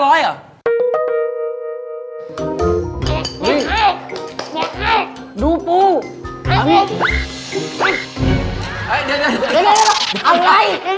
ของพี่ก๊อฟค่ะ